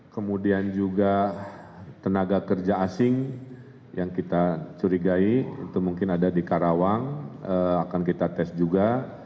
kemudian juga tenaga kerja asing yang kita curigai itu mungkin ada di karawang akan kita tes juga